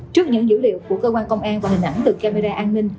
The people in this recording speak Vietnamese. trước những dữ liệu của cơ quan công an và hình ảnh từ camera an ninh